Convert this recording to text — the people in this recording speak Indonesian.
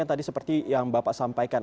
yang tadi seperti yang bapak sampaikan